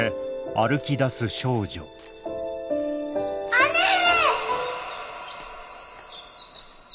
姉上！